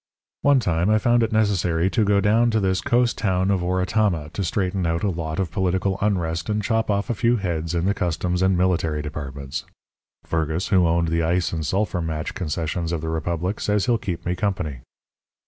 "One time I found it necessary to go down to this coast town of Oratama to straighten out a lot of political unrest and chop off a few heads in the customs and military departments. Fergus, who owned the ice and sulphur match concessions of the republic, says he'll keep me company.